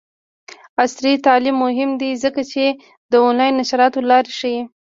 عصري تعلیم مهم دی ځکه چې د آنلاین نشراتو لارې ښيي.